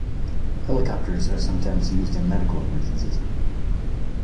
Helicopters are sometimes used in medical emergencies.